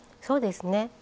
そうですね。